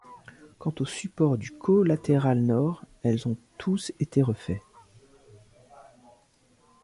Quant aux supports du collatéral nord, elles ont tous été refaits.